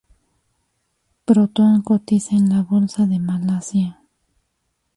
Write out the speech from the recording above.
Proton cotiza en la Bolsa de Malasia.